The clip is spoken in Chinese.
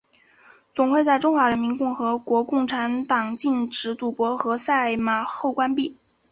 总会在中华人民共和国共产党政府禁止赌博和赛马后关闭。